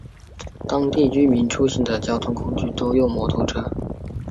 当地居民出行的交通工具多用摩托车。